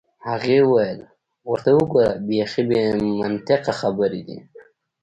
هغې وویل: ورته وګوره، بیخي بې منطقه خبرې دي.